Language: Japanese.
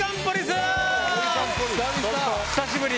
久しぶり！